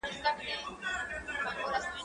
زه له سهاره د کتابتوننۍ سره مرسته کوم!.